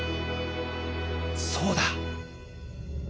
そうだ！